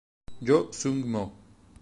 Jo Sung-mo